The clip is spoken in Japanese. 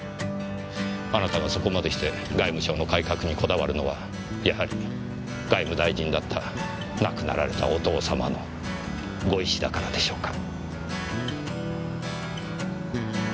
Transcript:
あなたがそこまでして外務省の改革にこだわるのはやはり外務大臣だった亡くなられたお父様のご遺志だからでしょうか？